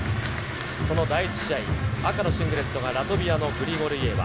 その第１試合、赤のシングレットが、ラトビアのグリゴルイエワ。